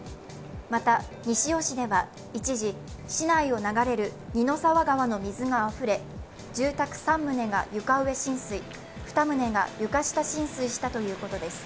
また、西尾市では一時、市内を流れる二の沢川の水があふれ住宅３棟が床上浸水、２棟が床下浸水したということです。